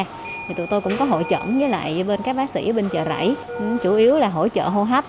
thì tụi tôi cũng có hội trẩm với lại bên các bác sĩ bên chợ rẫy chủ yếu là hỗ trợ hô hấp